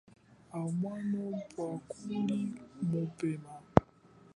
Au mwano pwo kali mupema.